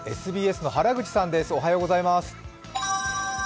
ＳＢＳの原口さんおはようございます。